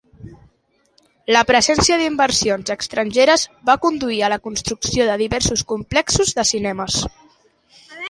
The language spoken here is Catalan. La presència d'inversions estrangeres va conduir a la construcció de diversos complexos de cinemes.